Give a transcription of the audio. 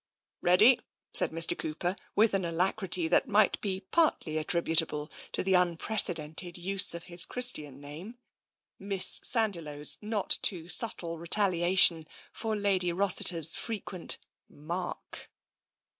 " "Ready," said Mr. Cooper, with an alacrity that might be partly attributable to the unprecedented use of his Christian name — Miss Sandiloe's not too subtle retaliation for Lady Rossiter's frequent " Mark."